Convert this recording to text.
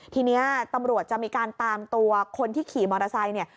ทีนี้ตำรวจจะมีการตามตัวคนที่ขี่มอเตอร์ไซค์เนี่ย